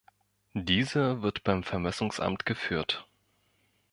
Diese wird beim Vermessungsamt geführt.